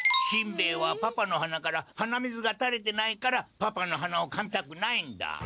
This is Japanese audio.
しんべヱはパパの鼻から鼻水がたれてないからパパのはなをかみたくないんだ。